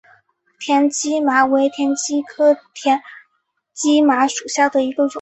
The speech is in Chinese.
田基麻为田基麻科田基麻属下的一个种。